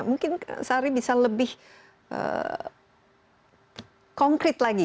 mungkin sari bisa lebih konkret lagi